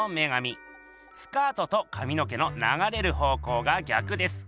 スカートとかみの毛のながれる方向が逆です。